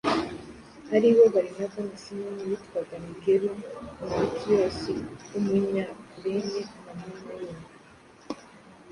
ari bo Barinaba na Simoni witwaga Nigeru na Lukiyosi w’umunyakurene na Manayeni